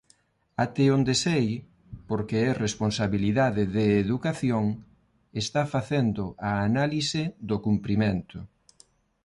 Até onde sei, porque é responsabilidade de Educación, están facendo a análise do cumprimento.